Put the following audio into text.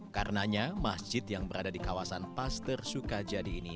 karenanya masjid yang berada di kawasan paster sukajadi ini